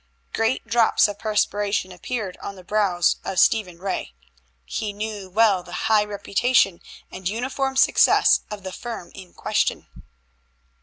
Great drops of perspiration appeared on the brows of Stephen Ray. He knew well the high reputation and uniform success of the firm in question.